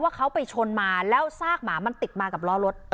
เขาไปชนมาแล้วซากหมามันติดมากับล้อรถ